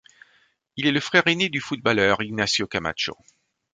Il est le frère aîné du footballeur Ignacio Camacho.